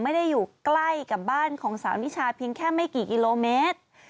ไม่ได้อยู่ใกล้กับบ้านของสาวนิชาเพียงแค่ไม่กี่กิโลเมตร